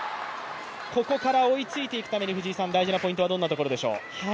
ここから追いついていくために大事なポイントはどんなところでしょう？